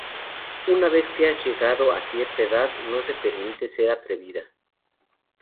Una vez que has llegado a cierta edad, no se te permite ser atrevida.